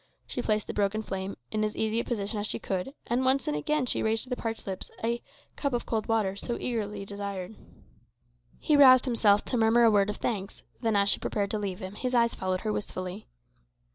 She placed the broken frame in as easy a position as she could, and once and again she raised to the parched lips the "cup of cold water" so eagerly desired. He roused himself to murmur a word of thanks; then, as she prepared to leave him, his eyes followed her wistfully.